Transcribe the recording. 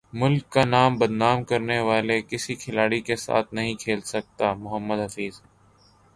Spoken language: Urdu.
ملک کا نام بدنام کرنے والے کسی کھلاڑی کے ساتھ نہیں کھیل سکتا محمد حفیظ